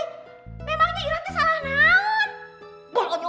memangnya irhan salah naon